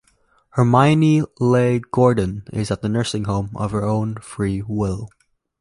Hermione Leigh Gordan is at the nursing home of her own free will.